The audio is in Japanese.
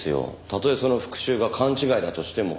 たとえその復讐が勘違いだとしても。